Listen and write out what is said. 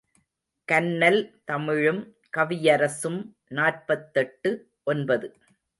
கன்னல் தமிழும் கவியரசும் நாற்பத்தெட்டு ஒன்பது.